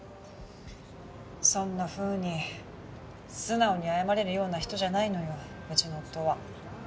そんなふうに素直に謝れるような人じゃないのようちの夫は。